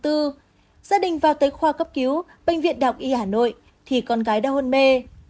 gia đình vào tới khoa cấp cứu bệnh viện đặc y hà nội thì con gái đã hôn mê